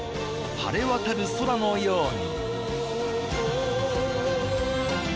晴れ渡る空のように』